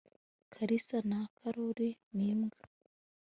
karisa na karori nimbwa